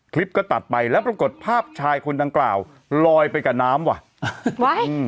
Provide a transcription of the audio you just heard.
คลิปก็ตัดไปแล้วปรากฏภาพชายคนดังกล่าวลอยไปกับน้ำว่ะ